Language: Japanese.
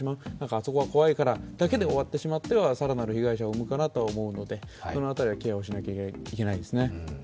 あそこは怖いからだけで終わってしまっては更なる被害者を生むかなと思うので、その辺りはケアをしなければいけないですね。